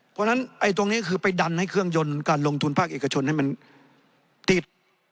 เพราะฉะนั้นตรงนี้คือไปดันให้เครื่องยนต์การลงทุนภาคเอกชนให้มันติด